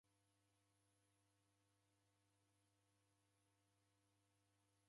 Mnyunya ghow'aw'a zaidi.